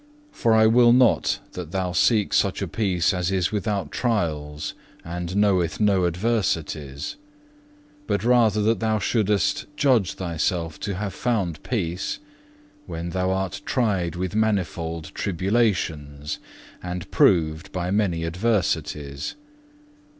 For I will not that thou seek such a peace as is without trials, and knoweth no adversities; but rather that thou shouldest judge thyself to have found peace, when thou art tried with manifold tribulations, and proved by many adversities.